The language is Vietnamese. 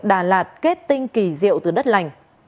đà lạt kết tinh kỳ diệu từ đất lành